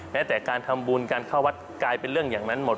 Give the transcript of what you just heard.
แม้แต่การทำบุญการเข้าวัดกลายเป็นเรื่องอย่างนั้นหมด